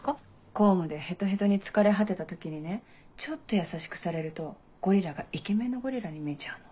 公務でヘトヘトに疲れ果てた時にねちょっと優しくされるとゴリラがイケメンのゴリラに見えちゃうの。